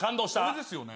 これですよね？